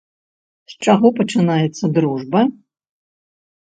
З чаго пачынаецца дружба?